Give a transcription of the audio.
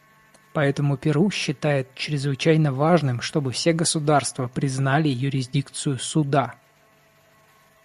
Поэтому Перу считает чрезвычайно важным, чтобы все государства признали юрисдикцию Суда.